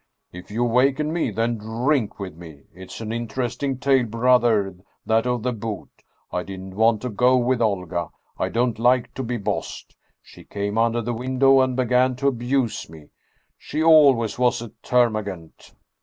If you wakened me, then drink with me! It is an inter esting tale, brother, that of the boot ! I didn't want to go with Olga. I don't like to be bossed. She came under the window and began to abuse me. She always was a ter magant.